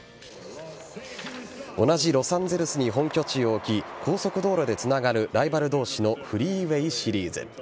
同じロサンゼルスに本拠地を置き高速道路でつながるライバル同士のフリーウェイシリーズ。